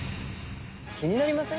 気になりません？